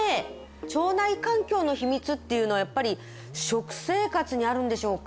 腸内環境の秘密っていうのはやっぱり食生活にあるんでしょうか？